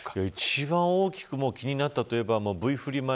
一番大きく気になったと言えばＶ振り